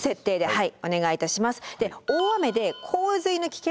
はい。